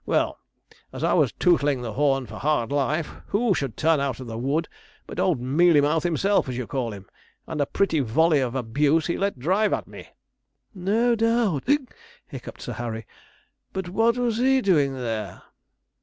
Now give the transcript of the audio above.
Well, as I was tootleing the horn for hard life, who should turn out of the wood but old mealy mouth himself, as you call him, and a pretty volley of abuse he let drive at me.' 'No doubt,' hiccuped Sir Harry; 'but what was he doing there?'